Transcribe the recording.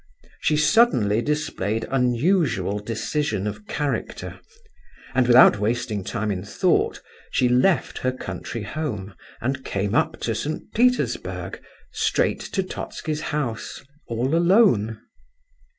She suddenly displayed unusual decision of character; and without wasting time in thought, she left her country home and came up to St. Petersburg, straight to Totski's house, all alone.